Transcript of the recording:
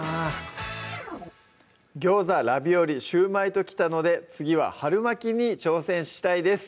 ギョーザ・ラビオリ・シューマイときたので次は春巻きに挑戦したいです